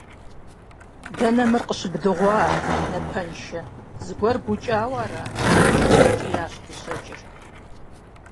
- Дэнэ мыр къыщыбдыгъуар, напэншэ, зыгуэр букӀауэ ара?? - жиӀэри кӀиящ дыщэкӀыр.